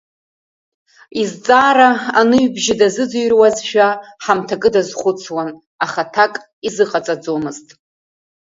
Изҵаара аныҩбжьы дазыӡырҩуазшәа, ҳамҭакы дазхәыцуан, аха аҭак изыҟаҵомызт.